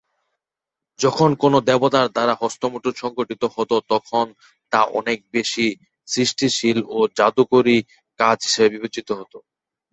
যখন কোনো দেবতার দ্বারা হস্তমৈথুন সংঘটিত হতো, তখন তা অনেক বেশি সৃষ্টিশীল ও জাদুকরী কাজ হিসেবে বিবেচিত হতো।